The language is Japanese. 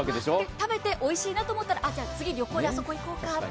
食べておいしいなと思ったら次、旅行であそこに行こうかとか。